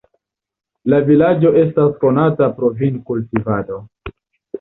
La vilaĝo estas konata pro vinkultivado.